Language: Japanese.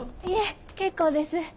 いえ結構です。